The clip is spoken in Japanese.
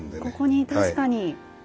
ここに確かに。